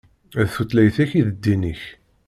D tutlayt-ik i d ddin-ik.